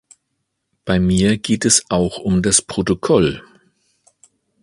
Bei mir geht es auch um das Protokoll.